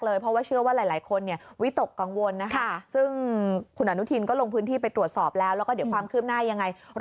แล้วความคืบหน้าอย่างไง